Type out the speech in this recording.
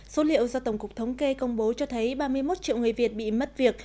số liệu do tổng cục thống kê công bố cho thấy ba mươi một triệu người việt bị mất việc